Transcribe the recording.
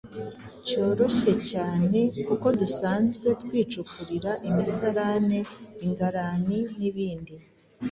cyoroshye cyane kuko dusanzwe twicukurira imisarane, ingarani n’ibindi.